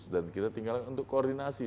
dan kita tinggal untuk koordinasi